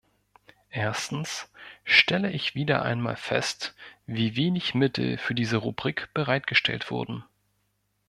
Erstens stelle ich wieder einmal fest, wie wenig Mittel für diese Rubrik bereitgestellt wurden.